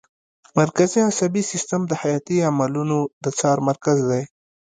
مرکزي عصبي سیستم د حیاتي عملونو د څار مرکز دی